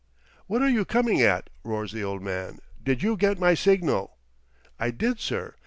"'What are you coming at?' roars the old man. 'Did you get my signal?' "'I did, sir.